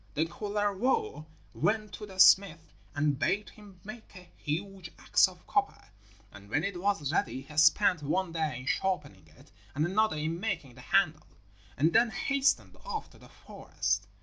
Then Kullervo went to the smith and bade him make a huge axe of copper, and when it was ready he spent one day in sharpening it and another in making the handle, and then hastened off to the forest.